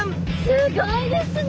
すごいですね